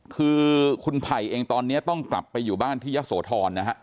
คือคุณไผ่เองตอนนี้ต้องกลับไปอยู่บ้านที่ยะโสธรนะฮะ